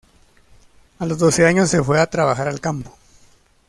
A los doce años se fue a trabajar al campo.